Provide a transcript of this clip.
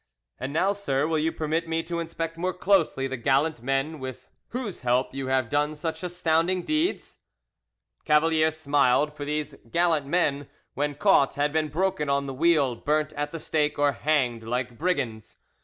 And now, sir, will you permit me to inspect more closely the gallant men with whose help you have done such astounding deeds?" Cavalier smiled; for these "gallant men" when caught had been broken on the wheel, burnt at the stake, or hanged like brigands.